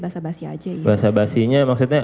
bahasa basi saja iya bahasa basinya maksudnya